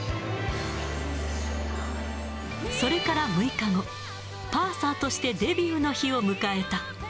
それから６日後、パーサーとしてデビューの日を迎えた。